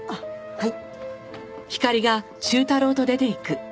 はい。